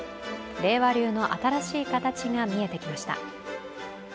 令和流の新しい形が見えてきました。